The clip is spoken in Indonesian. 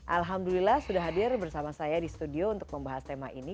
alhamdulillah sudah hadir bersama saya di studio untuk membahas tema ini